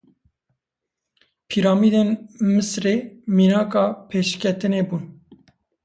Piramîdên Misrê mînaka pêşketinê bûn.